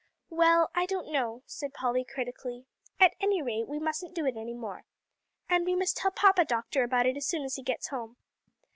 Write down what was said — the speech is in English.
"Well, I don't know," said Polly critically; "at any rate, we mustn't do it any more. And we must tell Papa Doctor about it as soon as he gets home."